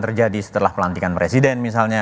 terjadi setelah pelantikan presiden misalnya